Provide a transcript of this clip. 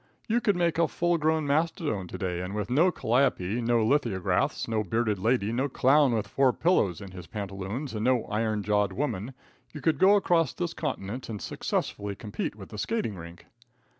You could take a full grown mastodon to day, and with no calliope, no lithographs, no bearded lady, no clown with four pillows in his pantaloons and no iron jawed woman, you could go across this continent and successfully compete with the skating rink.